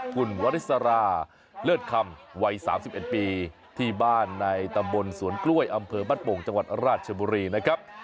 คุณวริสราเลิศคำวัย๓๑ปีที่บ้านในตำบลสวนกล้วยอำเภอบ้านโป่งจังหวัดราชบุรีนะครับ